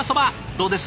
どうです？